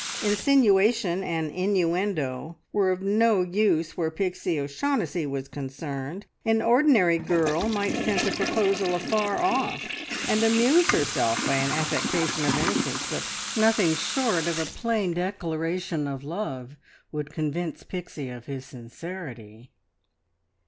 Insinuation and innuendo were of no use where Pixie O'Shaughnessy was concerned; an ordinary girl might scent a proposal afar off and amuse herself by an affectation of innocence, but nothing short of a plain declaration of love would convince Pixie of his sincerity.